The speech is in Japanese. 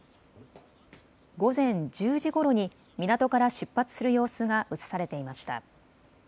午前１０時ごろに港から出発する様子が映されていました。